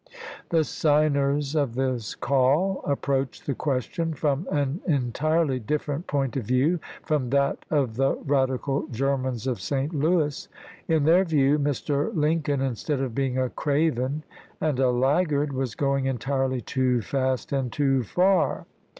The signers of this call approached the question from an entirely different point of view from that of the radical Germans of St. Louis. In their view Mr. Lincoln, instead of being a craven and a laggard, was going entirely too fast and too far.